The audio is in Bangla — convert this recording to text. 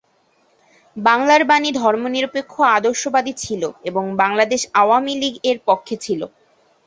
বাংলার বাণী ধর্মনিরপেক্ষ আদর্শবাদী ছিল এবং বাংলাদেশ আওয়ামী লীগ এর পক্ষে ছিল।